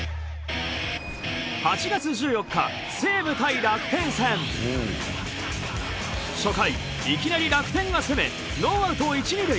８月１４日初回いきなり楽天が攻めノーアウト１・２塁。